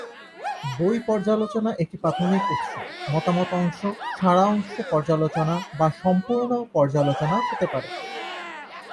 বই পর্যালোচনা একটি প্রাথমিক উৎস, মতামত অংশ, সারাংশ পর্যালোচনা বা সম্পূর্ণ পর্যালোচনা হতে পারে।